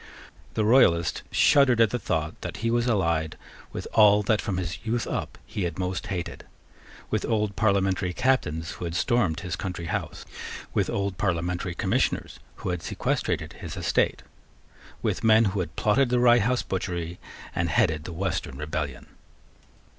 The Royalist shuddered at the thought that he was allied with all that from his youth up he had most hated, with old parliamentary Captains who had stormed his country house, with old parliamentary Commissioners who had sequestrated his estate, with men who had plotted the Rye House butchery and headed the Western rebellion.